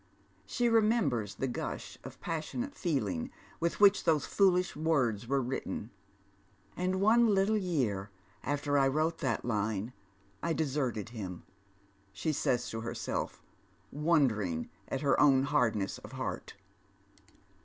She remembers the gush of passionate feeling with which th©60 foolish words were written. " And one little year after I wrote that line I deserted him," she says to herself, won dering at her own hardness of heart.